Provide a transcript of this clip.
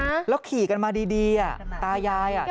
เตอร์ด้านใช่ครับแล้วขี่กันมาดีอ่ะตายายอ่ะ